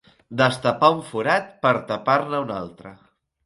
Destapar un forat per tapar-ne un altre.